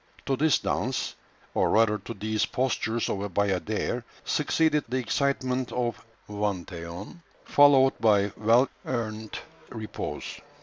To this dance, or rather to these postures of a bayadère, succeeded the excitement of vingt et un, followed by well earned repose.